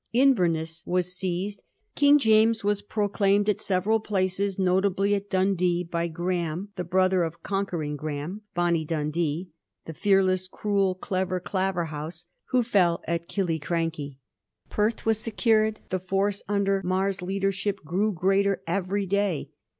Inverness was seized. King James was prodaimed at several places, notably at Dundee, by Graham, the brother of * conquering Graham,' Bonnie Dundee, the fearless, cruel, dever Claverhouse who fell at Killiecrankie. Perth was secured. The force under Mar's leadership grew greater every day.